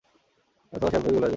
অথবা, শ্যাম্পেন গেলার জন্য।